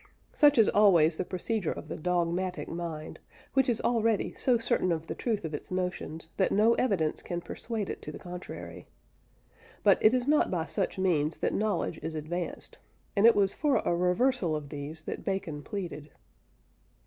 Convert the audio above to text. Such is always the procedure of the dogmatic mind, which is already so certain of the truth of its notions that no evidence can persuade it to the contrary. But it is not by such means that knowledge is advanced, and it was for a reversal of these that Bacon pleaded.